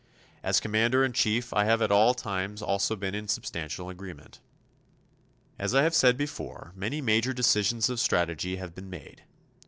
As Commander in Chief I have at all times also been in substantial agreement. As I have said before, many major decisions of strategy have been made.